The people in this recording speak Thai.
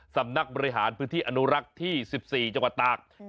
สำนักบริหารพื้นที่อนุรักษ์ที่๑๔จังหวัดตาก